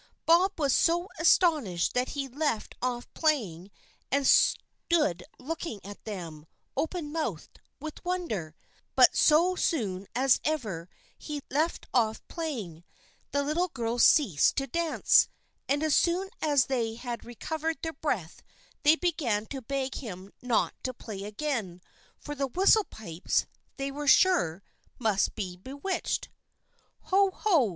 Bob was so astonished that he left off playing and stood looking at them, open mouthed, with wonder; but so soon as ever he left off playing, the little girls ceased to dance; and as soon as they had recovered their breath they began to beg him not to play again, for the whistle pipes, they were sure, must be bewitched. "Ho! ho!"